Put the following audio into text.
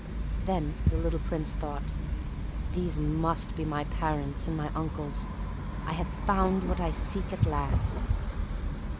Then the little Prince thought, "These must be my parents and my uncles. I have found what I seek at last."